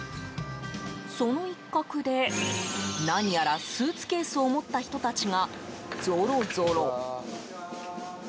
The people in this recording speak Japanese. その一角で何やらスーツケースを持った人たちがぞろぞろ。